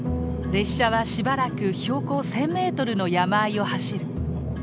列車はしばらく標高１，０００メートルの山あいを走る。